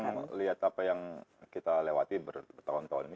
kalau mau lihat apa yang kita lewati bertahun tahun ini